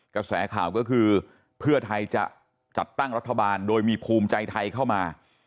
กระแสข่าวก็คือเพื่อไทยจะจัดตั้งรัฐบาลโดยมีภูมิใจไทยเข้ามา